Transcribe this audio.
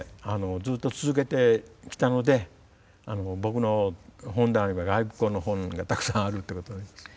ずっと続けてきたので僕の本棚には外国語の本がたくさんあるっていうことになります。